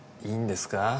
いいんですか？